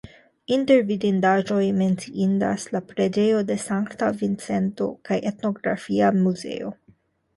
Inter vidindaĵoj menciindas la preĝejo de Sankta Vincento kaj etnografia muzeo.